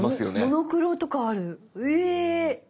モノクロとかあるうぇ！